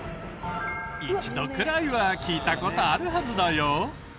一度くらいは聞いた事あるはずだよ。